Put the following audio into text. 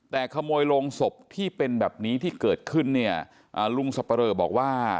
แต่ขโมยโรงศพที่เป็นแบบนี้ที่เกิดขึ้นเนี่ยอ่าลุงสับปะเรอบอกว่า